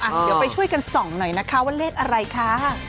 เดี๋ยวไปช่วยกันส่องหน่อยนะคะว่าเลขอะไรค่ะ